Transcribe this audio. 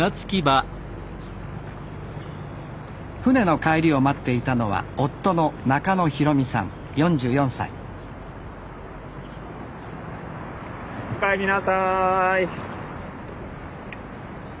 舟の帰りを待っていたのは夫のおかえりなさい。